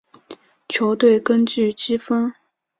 球队根据积分。